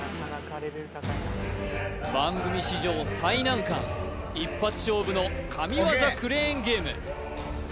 番組史上最難関一発勝負の神業クレーンゲームＯＫ